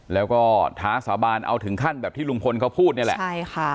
แล้วก็ท้าสาบานเอาถึงขั้นแบบที่ลุงพลเขาพูดนี่แหละใช่ค่ะ